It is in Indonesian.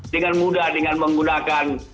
dengan mudah dengan menggunakan